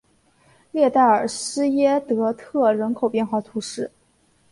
列代尔施耶德特人口变化图示